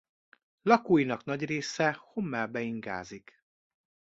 Lakóinak nagy része Homelbe ingázik.